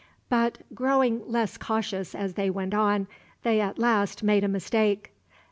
But, growing less cautious as they went on, they at last made a mistake.